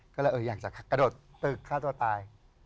ก็เลยอยากจะกระโดดตึกฆ่าตัวตาย